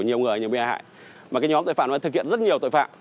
nhiều người nhiều bị hại mà cái nhóm tội phạm nó thực hiện rất nhiều tội phạm